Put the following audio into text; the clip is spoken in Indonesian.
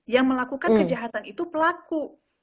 yang melakukan kejahatan itu pelaku